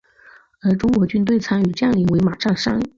而中国军队参与将领为马占山。